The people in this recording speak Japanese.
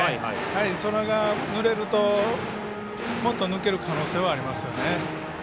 それが、ぬれるともっと抜ける可能性がありますね。